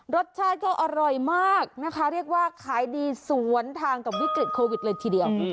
รสชาติก็อร่อยมากนะคะเรียกว่าขายดีสวนทางกับวิกฤตโควิดเลยทีเดียว